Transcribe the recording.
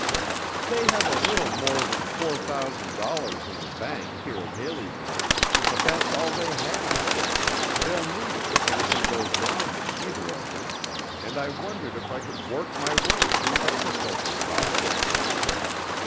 "They have a little more than four thousand dollars in the bank here at Haleyville, but that's all they have. They'll need it if anything goes wrong with either of them and I wondered if I could work my way through agriculture college?"